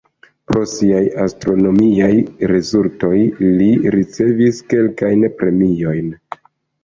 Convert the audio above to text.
Pro siaj astronomiaj rezultoj li ricevis kelkajn premiojn.